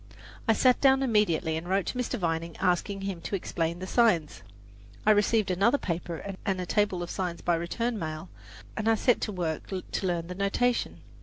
I sat down immediately and wrote to Mr. Vining, asking him to explain the signs. I received another paper and a table of signs by return mail, and I set to work to learn the notation.